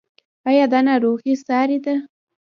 ایا دا ناروغي ساری ده؟